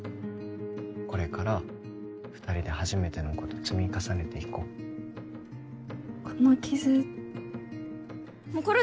これから二人で初めてのこと積み重ねていこうこの傷もうころ